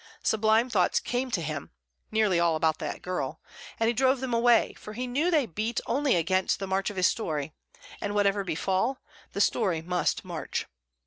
Sublime thoughts came to him (nearly all about that girl), and he drove them away, for he knew they beat only against the march of his story, and, whatever befall, the story must march.